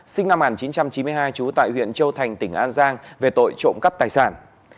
sinh năm một nghìn chín trăm chín mươi hai trú tại huyện châu thành tỉnh an giang về tội trộm cắp tài sản